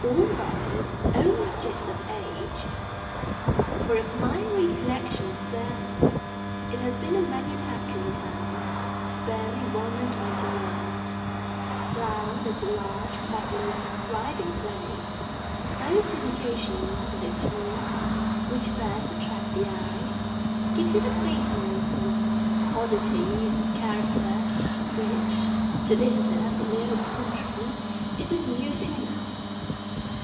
Although only just of age—for if my recollection serve me, it has been a manufacturing town barely one and twenty years—Lowell is a large, populous, thriving place. Those indications of its youth which first attract the eye, give it a quaintness and oddity of character which, to a visitor from the old country, is amusing enough.